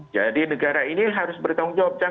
jadi negara ini harus bertanggung jawab